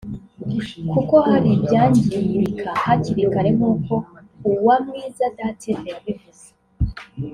kuko hari ibyangirika hakiri kare nk’uko Uwamwiza Dative yabivuze